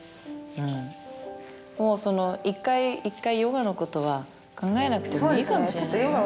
もうその１回ヨガのことは考えなくてもいいかもしれないね。